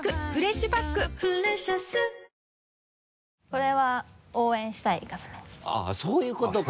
これは「応援したいガスメーター」あっそういうことか。